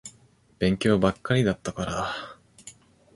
勉強ばっかりだったから。